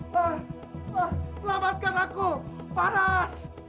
lah lah selamatkan aku panas